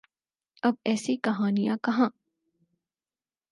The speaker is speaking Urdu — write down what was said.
اب ایسی کہانیاں کہاں۔